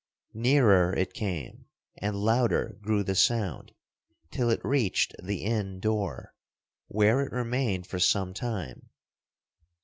Nearer it came, and louder grew the sound, till it reached the inn door, where it remained for some time.